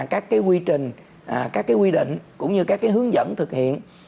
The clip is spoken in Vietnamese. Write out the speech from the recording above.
các cái quy trình các cái quy định cũng như các cái hướng dẫn thực hiện